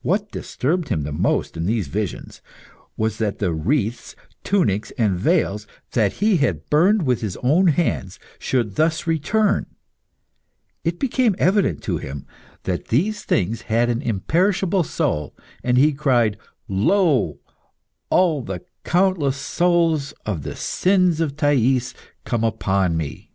What disturbed him the most in these visions was that the wreaths, tunics, and veils, that he had burned with his own hands, should thus return; it became evident to him that these things had an imperishable soul, and he cried "Lo, all the countless souls of the sins of Thais come upon me!"